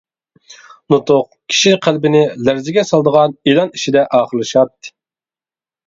نۇتۇق كىشى قەلبىنى لەرزىگە سالىدىغان ئېلان ئىچىدە ئاخىرلىشاتتى.